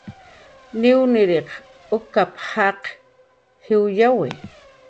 "Niwniriq uk""ap"" jaq jiwyawi "